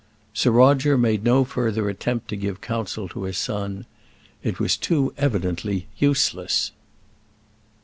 Sir Roger made no further attempt to give counsel to his son. It was too evidently useless.